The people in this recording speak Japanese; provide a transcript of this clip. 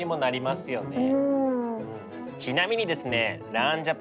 ちなみにですね